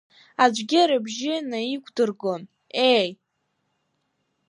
Аӡәгьы рыбжьы наиқәдыргон Еи!